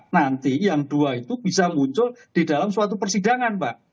nanti yang dua itu bisa muncul di dalam suatu persidangan pak